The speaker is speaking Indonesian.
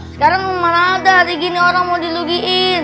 sekarang mana ada hari gini orang mau dilugiin